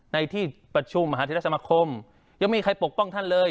ในที่ประชุมมหาธิรสมคมยังไม่มีใครปกป้องท่านเลย